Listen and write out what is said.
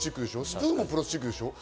スプーンもプラスチックでしょう？